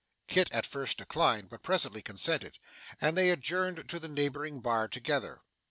Kit at first declined, but presently consented, and they adjourned to the neighbouring bar together.